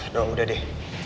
udah udah deh